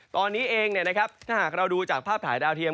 ตอนนี้เองถ้าหากเราดูจากภาพถ่ายดาวเทียม